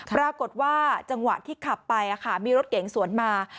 ปรากฏว่าจังหวะที่ขับไปมีรถเก๋งสวนมา